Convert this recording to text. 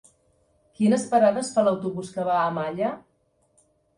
Quines parades fa l'autobús que va a Malla?